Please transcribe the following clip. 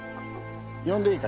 呼んでいいか？